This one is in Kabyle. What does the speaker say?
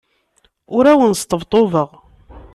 Ur awen-sṭebṭubeɣ.